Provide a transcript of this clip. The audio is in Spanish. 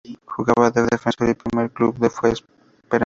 Jugaba de defensor y su primer club fue Peñarol.